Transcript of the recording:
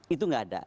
itu gak ada